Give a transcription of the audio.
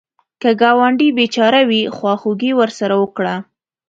که ګاونډی بېچاره وي، خواخوږي ورسره وکړه